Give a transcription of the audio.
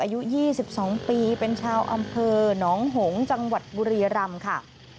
อายุ๒๒ปีเป็นชาวอำเภอหนองหงษ์จังหวัดบุรีรำค่ะ